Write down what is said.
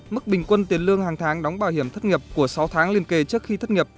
mức bình quân tiền lương hàng tháng đóng bảo hiểm thất nghiệp của sáu tháng liên kề trước khi thất nghiệp